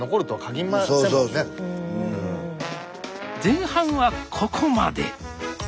前半はここまで。